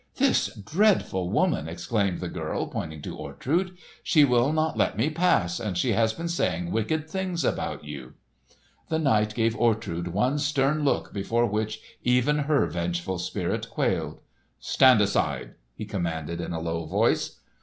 "This dreadful woman!" exclaimed the girl pointing to Ortrud. "She will not let me pass, and she has been saying wicked things about you." The knight gave Ortrud one stern look before which even her vengeful spirit quailed. "Stand aside!" he commanded in a low voice.